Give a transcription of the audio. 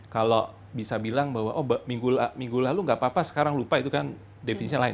kalau bisa bilang bahwa oh minggu lalu nggak apa apa sekarang lupa itu kan definisinya lain